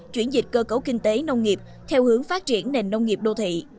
chuyển dịch cơ cấu kinh tế nông nghiệp theo hướng phát triển nền nông nghiệp đô thị